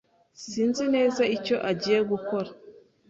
Sinzi neza icyo agiye gukora.